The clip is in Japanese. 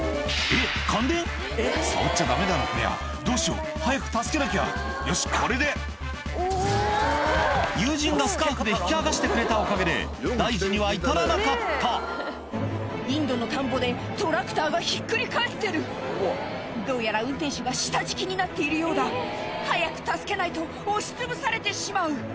えっ感電⁉」「触っちゃダメだなこりゃどうしよう早く助けなきゃ」「よしこれで！」友人がスカーフで引き剥がしてくれたおかげで大事には至らなかったインドの田んぼでトラクターがひっくり返ってるどうやら運転手が下敷きになっているようだ早く助けないと押しつぶされてしまう！